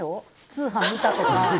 通販見たとか。